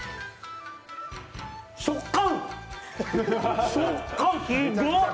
食感！